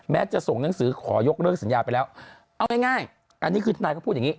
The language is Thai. จะส่งหนังสือขอยกเลิกสัญญาไปแล้วเอาง่ายอันนี้คือทนายก็พูดอย่างนี้